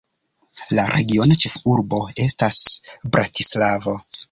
La regiona ĉefurbo estas Bratislavo.